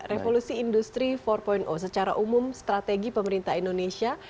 revolusi industri empat secara umum strategi pemerintah indonesia